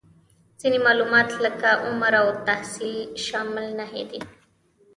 ځینې معلومات لکه عمر او تحصیل شامل نهدي